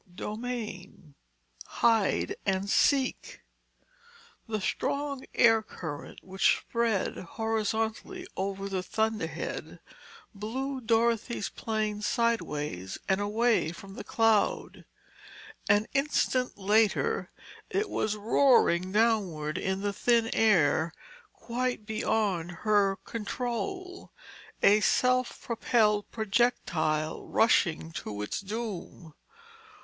Chapter V HIDE AND SEEK The strong air current which spread horizontally over the thunderhead blew Dorothy's plane sideways and away from the cloud. An instant later it was roaring downward in the thin air, quite beyond her control, a self propelled projectile rushing to its doom.